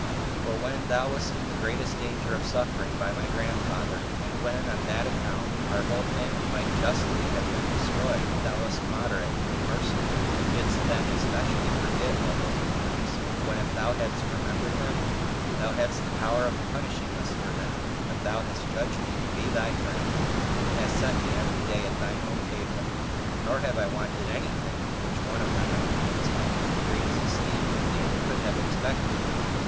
For when thou wast in the greatest danger of suffering by my grandfather, and when, on that account, our whole family might justly have been destroyed, thou wast moderate and merciful, and didst then especially forget all those injuries, when, if thou hadst remembered them, thou hadst the power of punishing us for them; but thou hast judged me to be thy friend, and hast set me every day at thine own table; nor have I wanted any thing which one of thine own kinsmen, of greatest esteem with thee, could have expected."